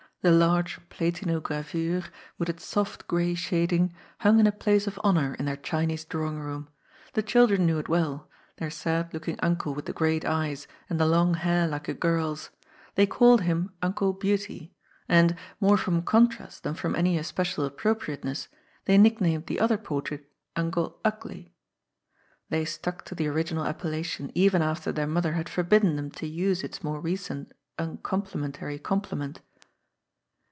The large platino gravure, with its soft gray shading, hung in a place of honour in their Chinese drawing room. The children knew it well— ^heir sad looking uncle with the great eyes, and the long hair like a girl's. They called him " Uncle Beauty,'* and, more from contrast than from any especial appro priateness, they nicknamed the other portrait "Uncle Ugly." They stuck to the original appellation even after their mother had forbidden them to use its more recent un complimentary complement.